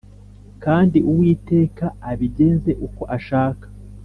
Kandi Uwiteka abigenze uko ashaka.